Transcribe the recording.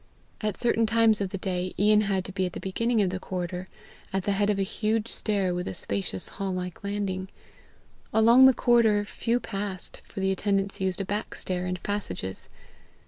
At certain times of the day, Ian had to be at the beginning of the corridor, at the head of a huge stair with a spacious hall like landing. Along the corridor few passed, for the attendants used a back stair and passages.